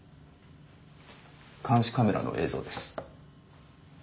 監視カメラの映像です。